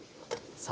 さあ